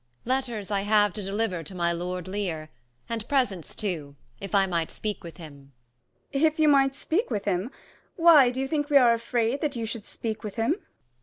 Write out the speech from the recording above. Letters I have to deliver to my lord Leir, And presents too, if I might speak with him. 25 Gon. If you might speak with him ? why, do you think, We are afraid that you should speak with him